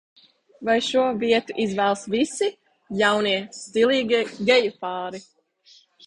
Vai šo vietu izvēlas visi jaunie, stilīgie geju pāri?